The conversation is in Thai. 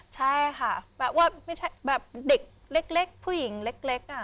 ใช่ค่ะแบบว่าเด็กเล็กผู้หญิงเล็ก